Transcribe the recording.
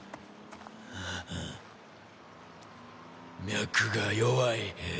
脈が弱い。